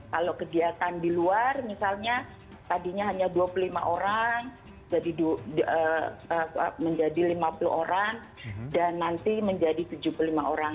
kalau kegiatan di luar misalnya tadinya hanya dua puluh lima orang menjadi lima puluh orang dan nanti menjadi tujuh puluh lima orang